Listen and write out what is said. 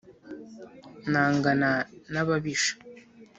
Nangana n’ababisha